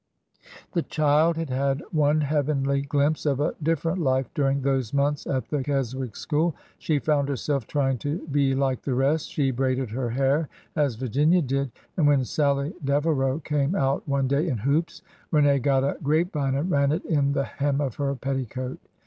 The child had had one heavenly glimpse of a different life during those months at the Keswick school. She found herself trying to be like the rest. She braided her hair as Virginia did, and when Sallie Devereau came out one day in hoops, Rene got a grape vine and ran it in the hem of her petticoat.